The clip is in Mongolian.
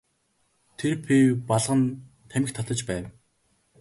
Тэр пиво балган тамхи татаж байв.